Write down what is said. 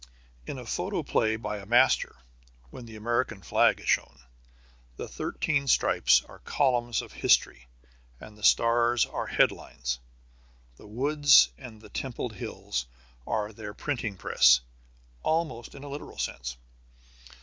In a photoplay by a master, when the American flag is shown, the thirteen stripes are columns of history and the stars are headlines. The woods and the templed hills are their printing press, almost in a literal sense.